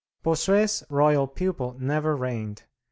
Bossuet's royal pupil never reigned.